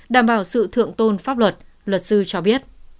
đảm bảo sự thượng tôn pháp luật luật sư cho biết